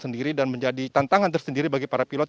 dan menjadi tantangan tersendiri bagi para pilot